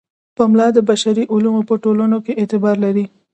پملا د بشري علومو په ټولنو کې اعتبار لري.